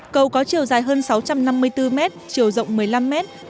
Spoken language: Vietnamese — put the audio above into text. cầu có chiều dài hơn sáu trăm năm mươi bốn mét chiều rộng một mươi năm mét